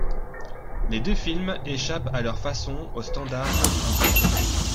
Les deux films échappent à leur façon au standard hollywoodien.